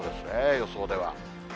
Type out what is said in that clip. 予想では。